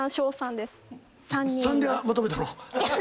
３でまとめたの？